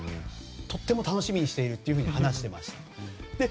とても楽しみにしていると話していました。